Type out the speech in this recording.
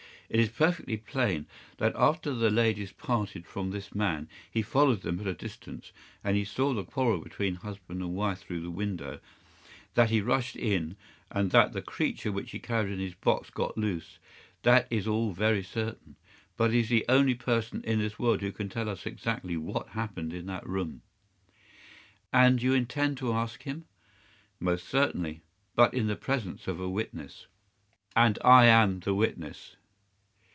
It is perfectly plain that after the ladies parted from this man he followed them at a distance, that he saw the quarrel between husband and wife through the window, that he rushed in, and that the creature which he carried in his box got loose. That is all very certain. But he is the only person in this world who can tell us exactly what happened in that room." "And you intend to ask him?" "Most certainly—but in the presence of a witness." "And I am the witness?"